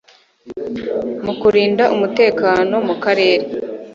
mu kurinda umutekano mu karere